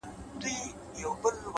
پوه انسان د حقیقت لټون نه پرېږدي’